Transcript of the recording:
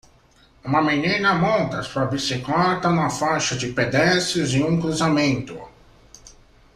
Uma menina monta sua bicicleta na faixa de pedestres em um cruzamento.